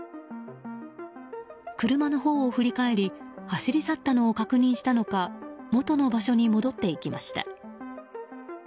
車のほうを振り返り走り去ったのを確認したのか元の場所に戻っていきました。